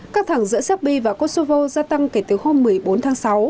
các thẳng giữa serbia và kosovo gia tăng kể từ hôm một mươi bốn tháng sáu